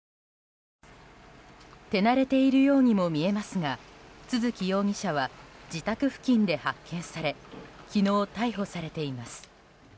手慣れているようにも見えますが都築容疑者は自宅付近で発見され昨日、逮捕されています。